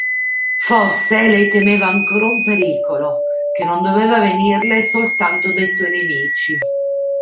Forse, lei temeva ancora un pericolo, che non doveva venirle soltanto dai suoi nemici.